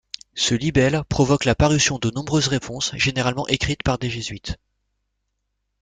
Ce libelle provoque la parution de nombreuses réponses, généralement écrites par des jésuites.